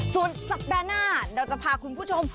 ส่วนสัปดาห์หน้าเราจะพาคุณผู้ชม